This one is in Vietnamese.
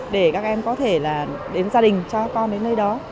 để các em có thể là đến gia đình cho các con đến nơi đó